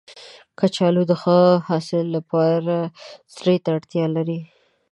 کچالو د ښه حاصل لپاره سرې ته اړتیا لري